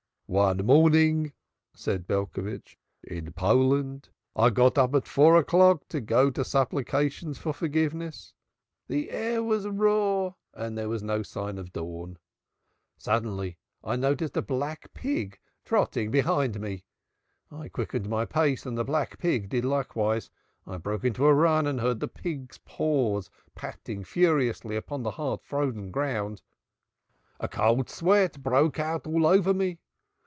"One morning," said Belcovitch, "in Poland, I got up at four o'clock to go to Supplications for Forgiveness. The air was raw and there was no sign of dawn! Suddenly I noticed a black pig trotting behind me. I quickened my pace and the black pig did likewise. I broke into a run and I heard the pig's paws patting furiously upon the hard frozen ground. A cold sweat broke out all over me.